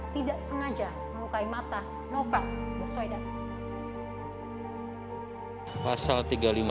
tidak sengaja melukai mata novel baswedan